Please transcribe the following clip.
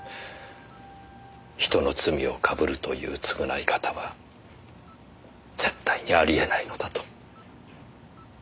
人の罪をかぶるという償い方は絶対にありえないのだと。